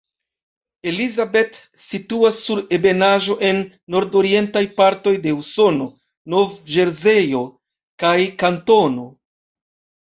Elizabeth situas sur ebenaĵo en nordorientaj partoj de Usono, Nov-Ĵerzejo kaj kantono.